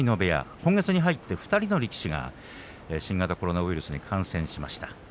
今月に入って２人の力士が新型コロナウイルスに感染しました。